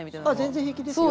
全然平気ですよ。